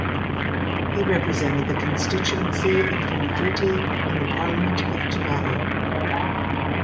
He represented the constituency of Funafuti in the Parliament of Tuvalu.